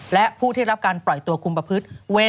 และผู้ที่รับการปล่อยตัวคุมประพฤติ